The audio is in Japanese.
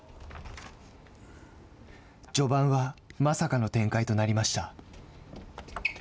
序盤はまさかの展開となりました。